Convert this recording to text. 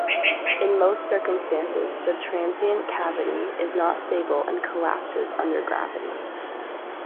In most circumstances, the transient cavity is not stable and collapses under gravity.